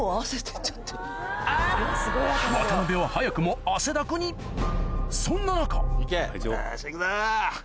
渡辺は早くも汗だくにそんな中行け。